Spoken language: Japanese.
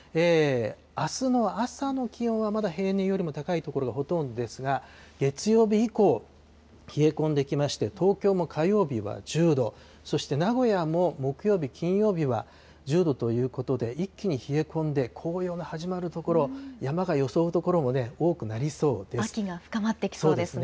あすの朝の気温は、まだ平年よりも高い所がほとんどですが、月曜日以降、冷え込んできまして、東京も火曜日は１０度、そして名古屋も木曜日、金曜日は１０度ということで、一気に冷え込んで、紅葉が始まる所、秋が深まってきそうですね。